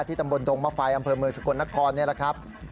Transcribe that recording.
ตำบลดงมะไฟอำเภอเมืองสกลนครนี่แหละครับ